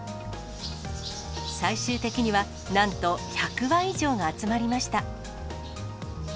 最終的にはなんと１００羽以上が集まりました。